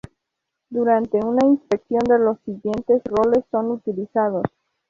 Durante una inspección de los siguientes roles son utilizados.